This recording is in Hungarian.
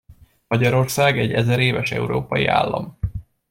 Magyarország egy ezeréves európai állam.